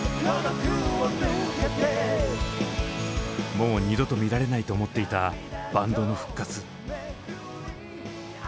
もう二度と見られないと思っていたバンドの復活。